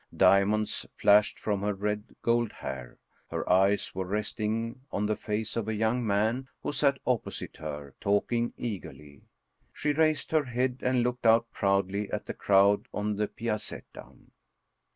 Diamonds flashed from her red gold hair; her eyes were resting on the face of a young man who sat opposite her, talking eagerly. She raised her head and looked out proudly at the crowd on the Piazetta.